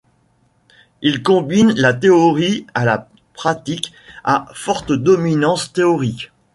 Il combine la théorie à la pratique, à forte dominance théorique.